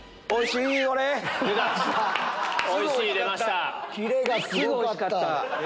すぐおいしかった！